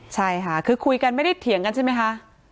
ใช่ค่ะคือคุยกันไม่ได้เถียงกันใช่ไหมคะ